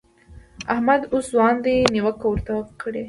احمد اوس ځوان دی؛ نيوکه ورته کړئ.